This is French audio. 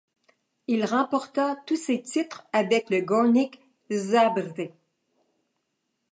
Il remporta tous ses titres avec le Gornik Zabrze.